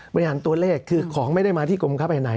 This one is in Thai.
บริหารตัวเลขคือของไม่ได้มาที่กรมค้าภายใน